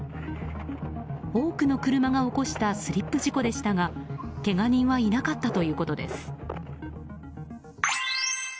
多くの車が起こしたスリップ事故でしたがけが人はいなかったということです。